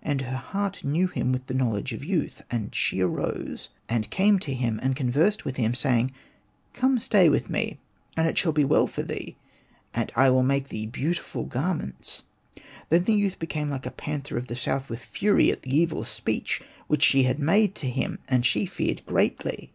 And her heart knew him with the knowledge of youth. And she arose and came to him, and conversed with him, say ing, '* Come, stay with me, and it shall be well for thee, and I will make for thee beauti ful garments." Then the youth became like a. panther of the south with fury at the evil speech which she had made to him ; and she feared greatly.